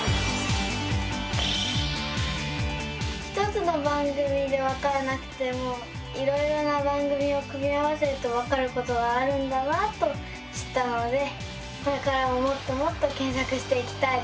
１つの番組でわからなくてもいろいろな番組を組み合わせるとわかることがあるんだなと知ったのでこれからももっともっと検索していきたいです。